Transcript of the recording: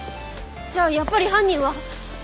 じゃあやっぱり犯人は。